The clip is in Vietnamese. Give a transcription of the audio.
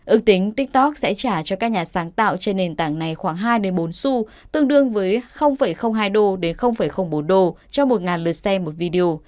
ước tính tiktok sẽ trả cho các nhà sáng tạo trên nền tảng này khoảng hai bốn su tương đương với hai đô đến bốn độ cho một lượt xem một video